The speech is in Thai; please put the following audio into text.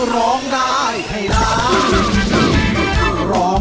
ร้องได้ให้ล้าน